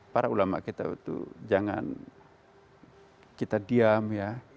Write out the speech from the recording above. para ulama kita itu jangan kita diam ya